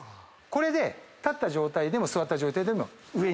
これで立った状態でも座った状態でも上に少し。